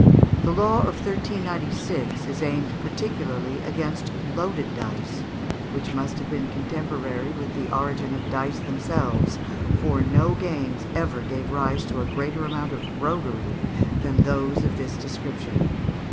The law of 1396 is aimed particularly against loaded dice, which must have been contemporary with the origin of dice themselves, for no games ever gave rise to a greater amount of roguery than those of this description.